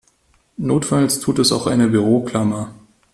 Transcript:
Notfalls tut es auch eine Büroklammer.